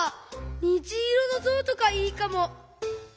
にじいろのゾウとかいいかも。